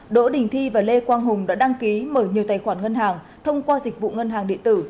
đỗ đình thi và lê quang hùng đã đăng ký mở nhiều tài khoản ngân hàng thông qua dịch vụ ngân hàng điện tử